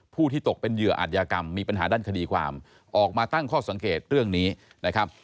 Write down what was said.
ที่ตกเป็นเหยื่ออาจยากรรมมีปัญหาด้านคดีความออกมาตั้งข้อสังเกตเรื่องนี้นะครับ